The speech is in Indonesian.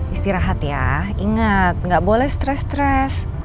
istirahat ya inget gak boleh stress stress